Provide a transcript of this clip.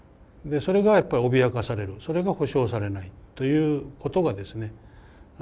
それが脅かされるそれが保障されないということがですね